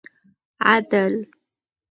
عدل